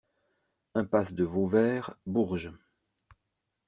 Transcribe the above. Impasse de Vauvert, Bourges